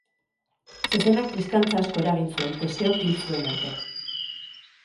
Zezenak triskantza asko eragin zituen, Teseok hil zuen arte.